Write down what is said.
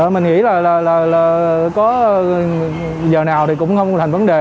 mình nghĩ là có giờ nào thì cũng không thành vấn đề